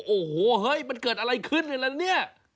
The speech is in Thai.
โอ้โหเฮ้ยมันเกิดอะไรขึ้นกันละเนี่ย